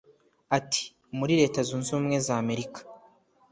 Ati “Muri Leta Zunze Ubumwe z’Amerika